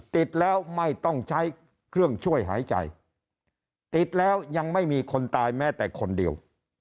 ติดแล้วไม่ต้องใช้เครื่องช่วยหายใจติดแล้วยังไม่มีคนตายแม้แต่คนเดียว